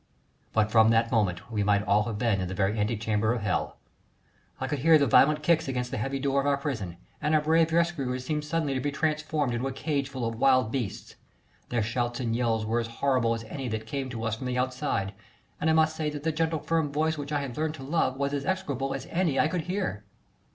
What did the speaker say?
But from that moment we might all have been in the very antechamber of hell. I could hear the violent kicks against the heavy door of our prison, and our brave rescuers seemed suddenly to be transformed into a cageful of wild beasts. Their shouts and yells were as horrible as any that came to us from the outside, and I must say that the gentle, firm voice which I had learnt to love was as execrable as any I could hear.